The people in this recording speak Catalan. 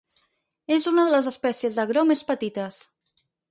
És una de les espècies d'agró més petites.